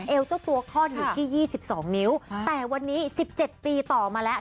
เอวเจ้าตัวคลอดอยู่ที่๒๒นิ้วแต่วันนี้๑๗ปีต่อมาแล้ว